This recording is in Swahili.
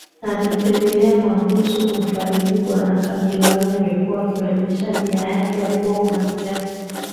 Alimtembelea mahabusu kumfariji Bwana Chameleone amekuwa akionyesha nia yake ya kuwa mwanasiasa